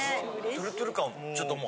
トゥルトゥル感ちょっともう。